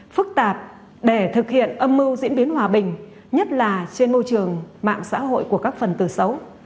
phức tạp để thực hiện âm mưu diễn biến hòa bình nhất là trên môi trường mạng xã hội của các phần từ xấu